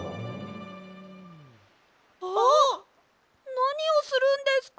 なにをするんですか！